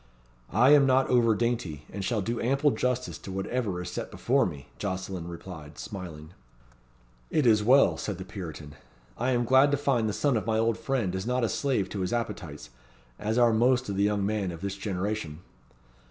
"I am not over dainty, and shall do ample justice to whatever is set before me," Jocelyn replied, smiling. "It is well," said the Puritan. "I am glad to find the son of my old friend is not a slave to his appetites, as are most of the young men of this generation."